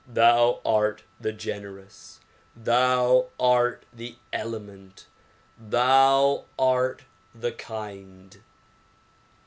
Thou art the gener ous ! Thou art the clement I Thou art the kind